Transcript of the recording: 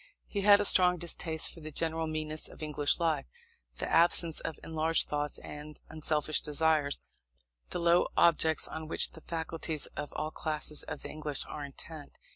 He had a strong distaste for the general meanness of English life, the absence of enlarged thoughts and unselfish desires, the low objects on which the faculties of all classes of the English are intent.